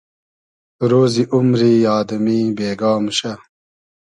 رۉزی اومری آدئمی بېگا موشۂ